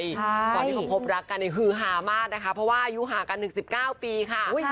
ตอนที่เขาพบรักกันฮือฮามากนะคะเพราะว่าอายุห่างกัน๑๑๙ปีค่ะ